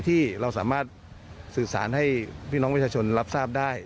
ที่เราสามารถสื่อสารให้พี่น้องประชาชนรับทราบได้